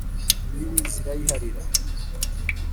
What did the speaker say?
Imbibi zirayiharira